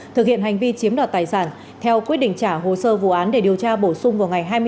thực hiện hành vi chiếm đoạt tài sản theo quyết định trả hồ sơ vụ án để điều tra bổ sung vào ngày hai mươi